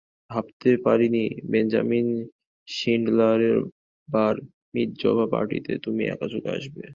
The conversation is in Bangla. ভাবতে পারিনি বেঞ্জামিন শিন্ডলারের বার মিৎজভা পার্টিতে তুমি একা চলে আসবে।